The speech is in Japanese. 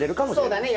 そうだね